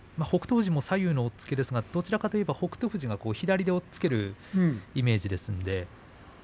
富士も左右の押っつけですがどちらかといえば北勝富士が左で押っつけるイメージですので。